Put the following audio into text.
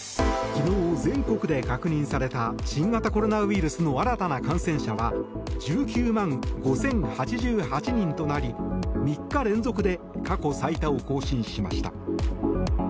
昨日、全国で確認された新型コロナウイルスの新たな感染者は１９万５０８８人となり３日連続で過去最多を更新しました。